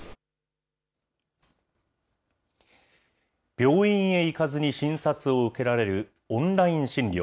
病院へ行かずに診察を受けられる、オンライン診療。